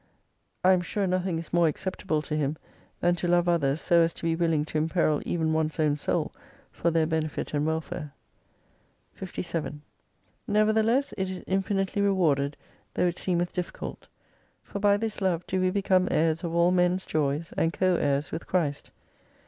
I am sure nothing is more acceptable to Him, than to love others so as to be willing to imperil even one's own soul for their benefit and welfare. 57 Nevertheless it is infinitely rewarded, though it seemeth difficult. For by this love do we become heirs of all men's joys, and co heirs with Christ.